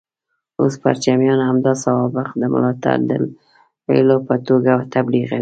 اوس پرچمیان همدا سوابق د ملاتړ دلایلو په توګه تبلیغوي.